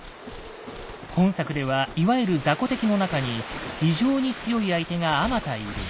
本作ではいわゆる雑魚敵の中に非常に強い相手があまたいる。